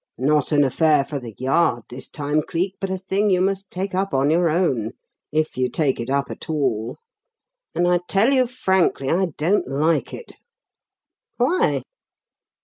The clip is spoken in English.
Not an affair for The Yard this time, Cleek, but a thing you must take up on your own, if you take it up at all; and I tell you frankly, I don't like it." "Why?"